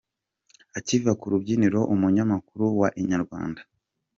Akiva ku rubyiniro umunyamakuru wa Inyarwanda.